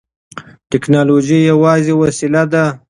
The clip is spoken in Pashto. ټیکنالوژي یوازې وسیله ده.